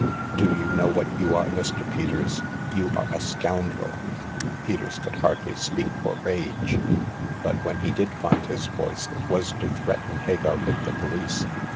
Do you know what you are, Mr. Peters ? You are a scoun drel." Peters could hardly speak for rage ; but when he did find his voice, it was to threaten Hagar with the police.